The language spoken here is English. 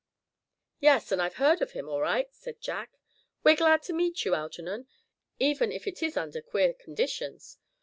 "Yes, and I've heard of him, all right," said Jack. "We're glad to meet you, Algernon, even if it is under queer conditions.